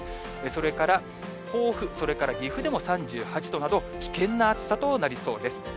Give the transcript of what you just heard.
それから甲府、それから岐阜でも３８度など、危険な暑さとなりそうです。